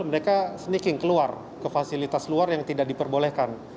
mereka sneaking keluar ke fasilitas luar yang tidak diperbolehkan